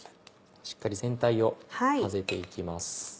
しっかり全体を混ぜて行きます。